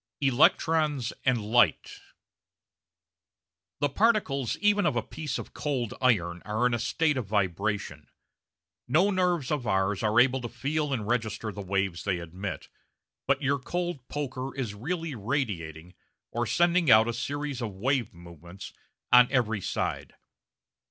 Electrons and Light The particles even of a piece of cold iron are in a state of vibration. No nerves of ours are able to feel and register the waves they emit, but your cold poker is really radiating, or sending out a series of wave movements, on every side.